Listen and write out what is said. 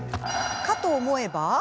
かと思えば。